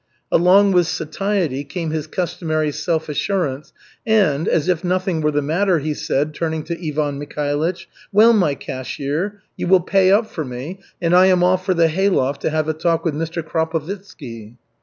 Along with satiety came his customary self assurance and, as if nothing were the matter, he said, turning to Ivan Mikhailych: "Well, my cashier, you will pay up for me, and I am off for the hayloft to have a talk with Mr. Khrapovitzky."